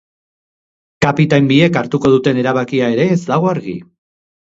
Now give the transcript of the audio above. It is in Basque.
Kapitain biek hartuko duten erabakia ere ez dago argi.